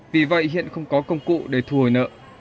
vì vậy hiện không có công cụ để thùi nợ